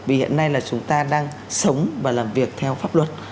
vì hiện nay là chúng ta đang sống và làm việc theo pháp luật